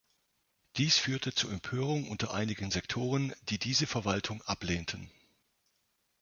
Dies führte zu Empörung unter einigen Sektoren, die diese Verwaltung ablehnten.